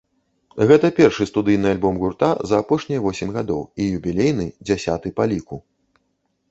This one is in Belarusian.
Гэта першы студыйны альбом гурта за апошнія восем гадоў і юбілейны, дзясяты па ліку.